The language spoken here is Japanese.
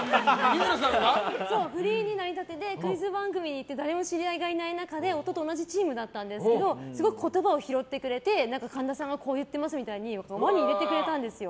フリーになりたてでクイズ番組に行って誰も知り合いがいない中で夫と同じチームだったんですけどすごく言葉を拾ってくれて神田さんがこう言ってますみたいに輪に入れてくれたんですよ。